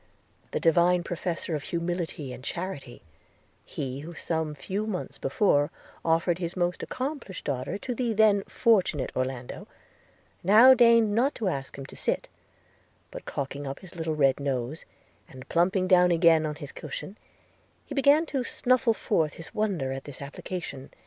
The divine professor of humility and charity – he who some few months before offered his most accomplished daughter to the then fortunate Orlando, now deigned not to ask him to sit; but, cocking up his little red nose, and plumping down again on his cushion, he began to snuffle forth his wonder at this application.